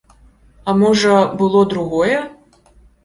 А можа, было другое?